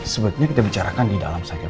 sebetulnya kita bicarakan di dalam saja